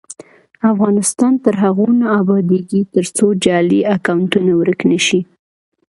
افغانستان تر هغو نه ابادیږي، ترڅو جعلي اکونټونه ورک نشي.